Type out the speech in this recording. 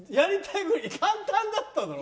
簡単だっただろ？